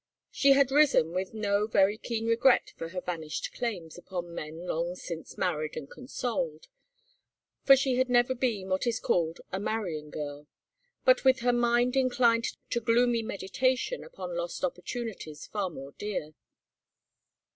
She had risen with no very keen regret for her vanished claims upon men long since married and consoled, for she had never been what is called a marrying girl, but with her mind inclined to gloomy meditation upon lost opportunities far more dear.